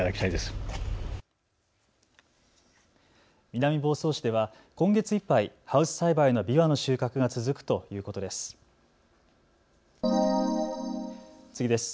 南房総市では今月いっぱいハウス栽培のびわの収穫が続くということです。